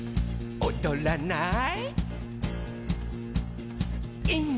「おどらない？」